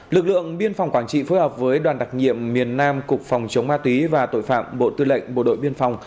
lực lượng biên phòng quảng trị phối hợp với đoàn đặc nhiệm miền nam cục phòng chống ma túy và tội phạm bộ tư lệnh bộ đội biên phòng